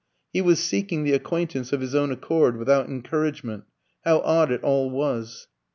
He was seeking the acquaintance of his own accord, without encouragement. How odd it all was!